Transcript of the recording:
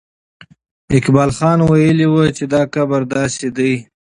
اقبال خان ویلي وو چې دا قبر داسې دی.